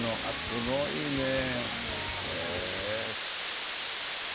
すごいねえ。